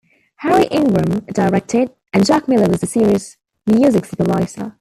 Harry Ingram directed, and Jack Miller was the series' music supervisor.